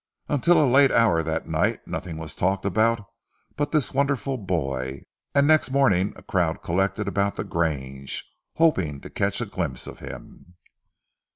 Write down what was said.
Up till a late hour that night nothing was talked about but this wonderful boy, and next morning a crowd collected about "The Grange" hoping to catch a glimpse of him.